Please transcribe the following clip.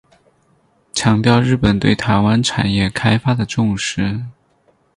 强调日本对台湾产业开发的重视。